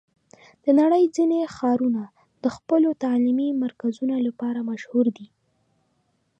د نړۍ ځینې ښارونه د خپلو تعلیمي مرکزونو لپاره مشهور دي.